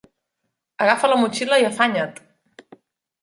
Agafa la motxilla i afanya't!